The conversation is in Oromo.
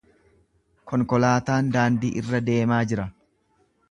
Konkolaataan daandii irra deemaa jira.